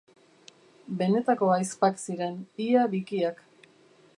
Benetako ahizpak ziren, ia bikiak.